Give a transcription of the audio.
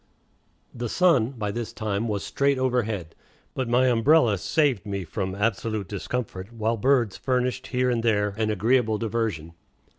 The sun by this time was straight overhead, but my umbrella saved me from absolute discomfort, while birds furnished here and there an agreeable diversion.